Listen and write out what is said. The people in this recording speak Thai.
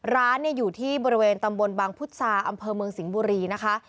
ร้านอยู่ที่บริเวณตำบลบางพุษาอำเภอเมืองสิงห์บุรีนะคะ